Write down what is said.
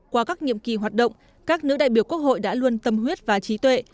qua các nhiệm kỳ hoạt động các nữ đại biểu quốc hội đã luôn tâm huyết và trí tuệ